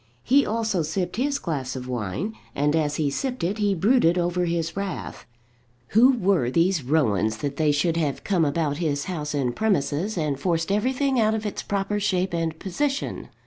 He also sipped his glass of wine, and as he sipped it he brooded over his wrath. Who were these Rowans that they should have come about his house and premises, and forced everything out of its proper shape and position?